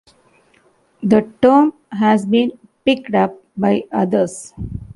The term has been picked up by others.